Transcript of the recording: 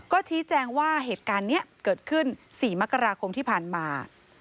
ก็ชี้แจงว่าเหตุการณ์นี้เกิดขึ้น๔มกราคมที่ผ่านมา